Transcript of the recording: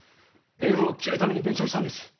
縁を切るために弁償したんです。